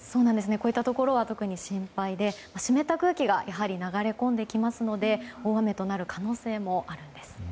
こういったところは特に心配で湿った空気がやはり流れ込んできますので大雨となる可能性もあるんです。